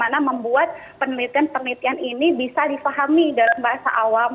bagaimana membuat penelitian penelitian ini bisa difahami dalam bahasa awam